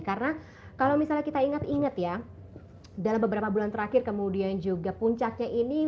karena kalau misalnya kita ingat ingat ya dalam beberapa bulan terakhir kemudian juga puncaknya ini